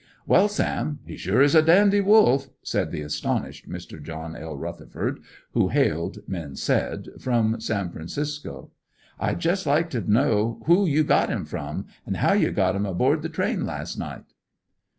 "Well, Sam, he sure is a dandy wolf," said the astonished Mr. John L. Rutherford, who hailed, men said, from San Francisco. "I'd just like to know who you got him from, and how you got him aboard the train last night."